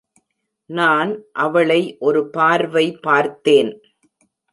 நான் அவளை ஒரு பார்வை பார்த்தேன்.